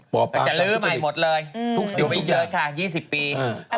ป่าปามก็จะลืมใหม่หมดเลยอยู่ไปเยอะค่ะ๒๐ปี